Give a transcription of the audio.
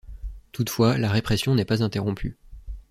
Toutefois, la répression n'est pas interrompue.